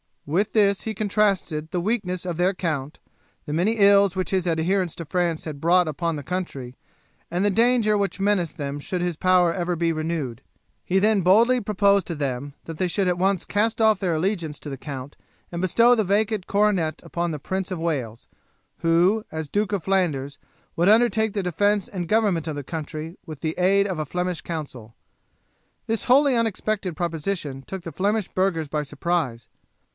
With this he contrasted the weakness of their count, the many ills which his adherence to France had brought upon the country, and the danger which menaced them should his power be ever renewed. He then boldly proposed to them that they should at once cast off their allegiance to the count and bestow the vacant coronet upon the Prince of Wales, who, as Duke of Flanders, would undertake the defence and government of the country with the aid of a Flemish council. This wholly unexpected proposition took the Flemish burghers by surprise.